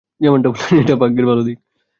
যেমনটা বললেন, এটা ভাগ্যের ভালো দিক।